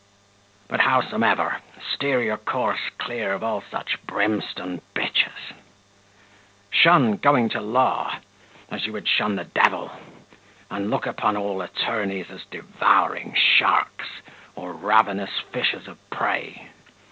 But howsomever, steer your course clear of all such brimstone b s. Shun going to law, as you would shun the devil; and look upon all attorneys as devouring sharks, or ravenous fish of prey.